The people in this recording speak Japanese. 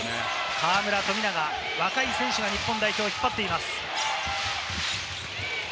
河村と富永、若い選手が日本代表を引っ張っています。